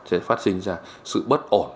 sẽ phát sinh ra sự bất ổn